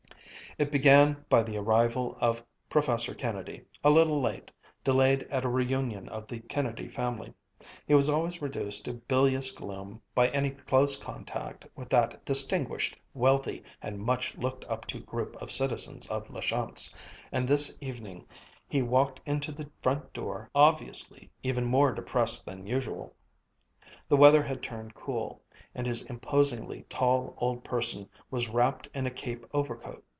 It began by the arrival of Professor Kennedy, a little late, delayed at a reunion of the Kennedy family. He was always reduced to bilious gloom by any close contact with that distinguished, wealthy, and much looked up to group of citizens of La Chance, and this evening he walked into the front door obviously even more depressed than usual. The weather had turned cool, and his imposingly tall old person was wrapped in a cape overcoat.